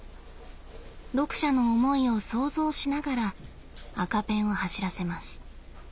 読者の思いを想像しながら赤ペンを走らせます。